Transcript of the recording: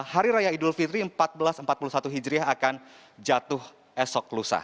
hari raya idul fitri seribu empat ratus empat puluh satu hijriah akan jatuh esok lusa